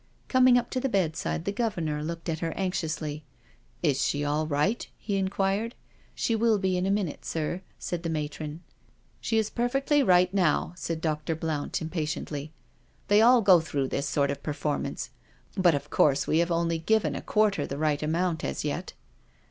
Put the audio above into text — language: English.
Coming up to the bedside, the Governor looked at her anxiously. " Is she all right?" he inquired. " She will be in a minute, sir," said the matron. " She is perfectly right, now," said Dr. Blount im patiently. " They all go through this sort of per formance—but, of course, we have only given a quarter the right amount as yet.'